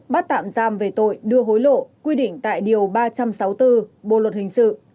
bắt tạm giam về tội đưa hối lộ quy định tại điều ba trăm sáu mươi bốn bộ luật hình sự